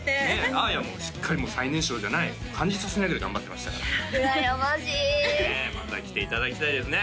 あーやもしっかりもう最年少じゃない感じさせないぐらい頑張ってましたからうらやましいねえまた来ていただきたいですね